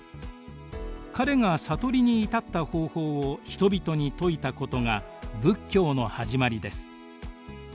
彼が悟りに至った方法を人々に説いたことが仏教のはじまりです。